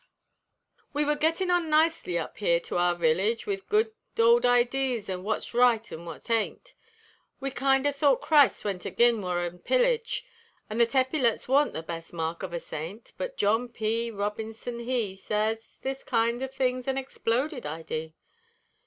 We were gittin' on nicely up here to our village, With good old idees o' wut's right an' wut ain't, We kind o' thought Christ went agin war an pillage, An' thet eppyletts worn't the best mark of a saint; But John P. Robinson he Sez this kind o' thing's an exploded idee.